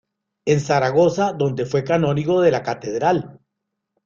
En Zaragoza, donde fue canónigo de la catedral.